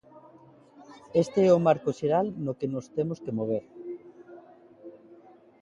Este é o marco xeral no que nos temos que mover.